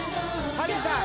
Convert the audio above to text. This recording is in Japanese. ハリーさん